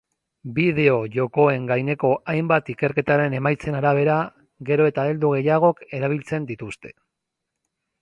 Bideo-jokoen gaineko hainbat ikerketaren emaitzen arabera, gero eta heldu gehiagok erabiltzen dituzte.